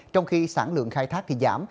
trong khi sản lượng khai thác thì giảm